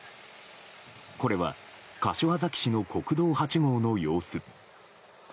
これは、柏崎市の国道８号の様子。